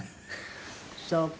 そうか。